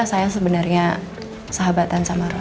saya sebenarnya sahabatan sama rombo